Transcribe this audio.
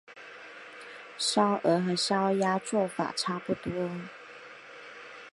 烧鹅和烧鸭做法差不多。